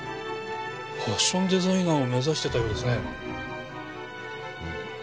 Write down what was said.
ファッションデザイナーを目指してたようですね。